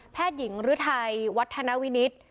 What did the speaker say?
แพทย์หญิงฤทัยวัฒนวินิตร